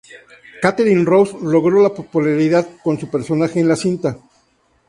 Katharine Ross logró la popularidad con su personaje en la cinta.